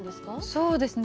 そうですね。